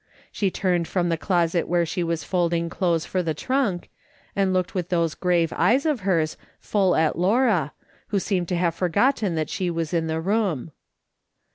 She turned from the closet Avhere she was folding clothes for the truuk, and looked with those grave eyes of hers full at Laura, who seemed to have forgotten that she was in the room.